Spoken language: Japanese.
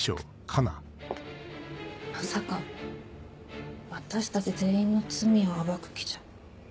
まさか私たち全員の罪を暴く気じゃ。